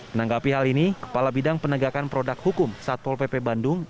menanggapi hal ini kepala bidang penegakan produk hukum satpol pp bandung